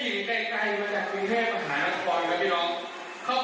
มีนักบ้านใหญ่มีนักบ้านใหญ่มีนักบ้านใหม่